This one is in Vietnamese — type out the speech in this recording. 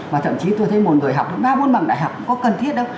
và thậm chí tôi thấy một người học ba bốn bằng đại học cũng không cần thiết đâu